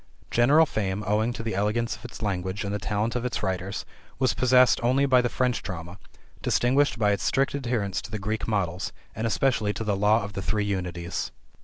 General fame, owing to the elegance of its language and the talent of its writers, was possessed only by the French drama, distinguished by its strict adherence to the Greek models, and especially to the law of the three Unities.